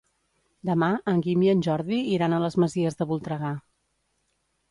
Demà en Guim i en Jordi iran a les Masies de Voltregà.